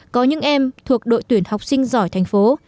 có những em thuộc đội tuyển học sinh giỏi thành phố